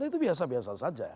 itu biasa biasa saja